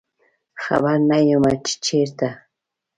خبر نه یمه چې چیرته